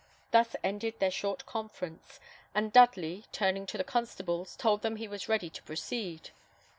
Thus ended their short conference; and Dudley, turning to the constables, told them he was ready to proceed.